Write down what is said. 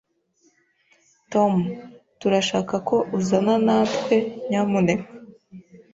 Tom, turashaka ko uzana natwe, nyamuneka.